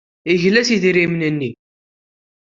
Yegla s yidrimen-nni.